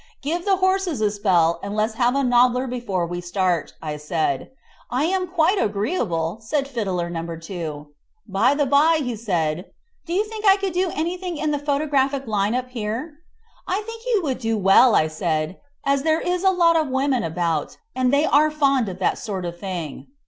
"Give the horses a spell, and let's have a nobbler before we start," said I. "I am quite agreeable," said Fiddler No. 2. "By the bye," said he, "do you think I could do any thing in the photographic line up here." "I think you would do well," said I, "as there is a lot of women about, and they are fond of that sort of thing."